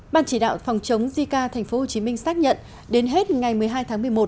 ban chỉ đạo phòng chống zika tp hcm xác nhận đến hết ngày một mươi hai tháng một mươi một